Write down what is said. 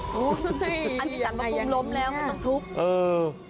อันนี้ต่างประภูมิล้มแล้วคุณต้องทุบ